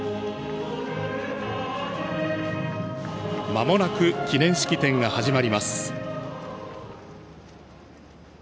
間もなく記念式典が始まります。